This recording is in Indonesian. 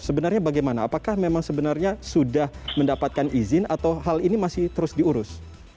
sebenarnya bagaimana apakah memang sebenarnya sudah mendapatkan izin atau hal ini masih terus diurus